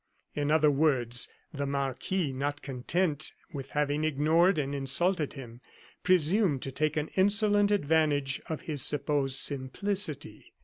In other words, the marquis, not content with having ignored and insulted him, presumed to take an insolent advantage of his supposed simplicity.